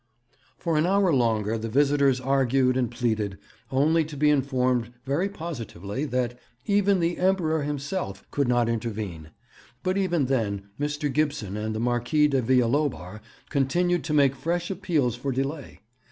For an hour longer the visitors argued and pleaded, only to be informed very positively that 'even the Emperor himself could not intervene'; but even then Mr. Gibson and the Marquis de Villalobar continued to make fresh appeals for delay.